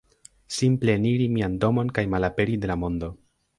simple eniri mian domon kaj malaperi de la mondo